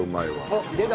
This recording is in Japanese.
あっ出た！